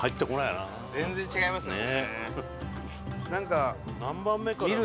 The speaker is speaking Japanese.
全然違いますもんね。